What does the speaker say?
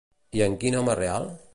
I en quin home real?